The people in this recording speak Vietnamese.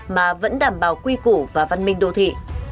mà vẫn đảm bảo quy củ và văn minh đô thị